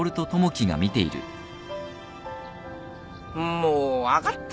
もう分かったよ。